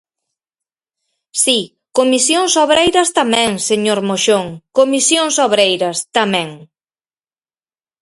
Si, Comisións Obreiras tamén, señor Moxón, Comisións Obreiras tamén.